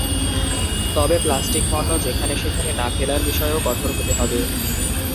আর প্লাস্টিকপণ্য যেখানে সেখানে না ফেলার বিষয়েও কঠোর হতে হবে।